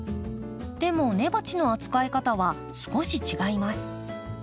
でも根鉢の扱い方は少し違います。